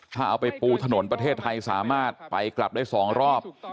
ถ้าเอาไปปูถนนประเทศไทยสามารถไปกลับได้๒รอบ